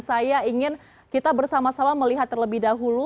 saya ingin kita bersama sama melihat terlebih dahulu